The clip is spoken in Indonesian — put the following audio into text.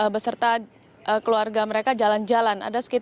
beserta keluarga mereka jalan jalan